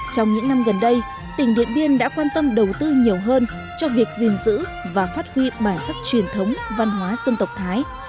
trong những năm gần đây tỉnh điện biên đã quan tâm đầu tư nhiều hơn cho việc gìn giữ và phát huy bản sắc truyền thống văn hóa dân tộc thái